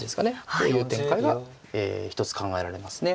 こういう展開が一つ考えられますね。